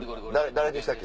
誰でしたっけ？